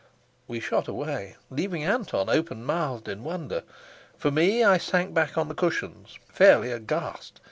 We shot away, leaving Anton open mouthed in wonder. For me, I sank back on the cushions, fairly aghast.